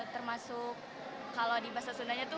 termasuk kalau di bahasa sundanya tuh